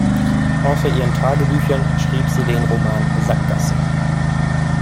Außer ihren Tagebüchern schrieb sie den Roman "Sackgassen".